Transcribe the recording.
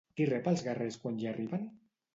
Qui rep els guerrers quan hi arriben?